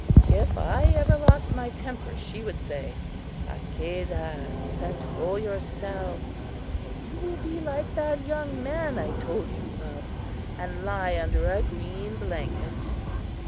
If I ever lost my temper, she would say: "Hakadah, control yourself, or you will be like that young man I told you of, and lie under a green blanket!"